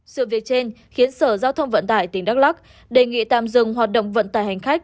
sự việc trên khiến sở giao thông vận tải tỉnh đắk lắc đề nghị tạm dừng hoạt động vận tải hành khách